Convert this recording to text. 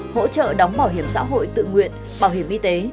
hỗ trợ đóng bảo hiểm xã hội tự nguyện bảo hiểm y tế